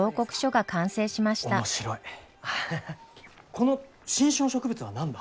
この新種の植物は何だ？